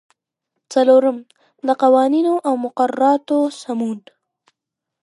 څلورم: د قوانینو او مقرراتو سمون.